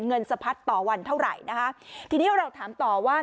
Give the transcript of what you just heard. สะพัดต่อวันเท่าไหร่นะคะทีนี้เราถามต่อว่า